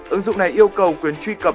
ứng dụng này yêu cầu quyền truy cập